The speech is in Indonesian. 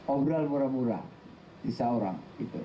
obrol murah murah sisa orang